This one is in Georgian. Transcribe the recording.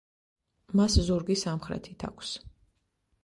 მას ზურგი სამხრეთით აქვს.